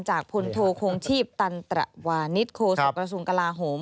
พลโทคงชีพตันตระวานิสโคศกระทรวงกลาโหม